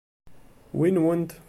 Wi nwent?